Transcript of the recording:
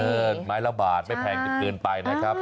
ไม้ละบาทไม่แพงจนเกินไปนะครับ